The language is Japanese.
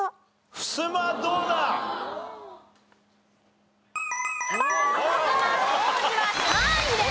ふすま・障子は３位です。